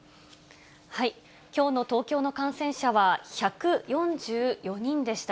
きょうの東京の感染者は１４４人でした。